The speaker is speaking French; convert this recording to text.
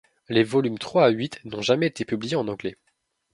Les volumes trois à huit n'ont jamais été publiés en anglais.